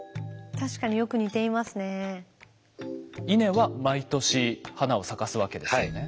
稲は毎年花を咲かすわけですよね？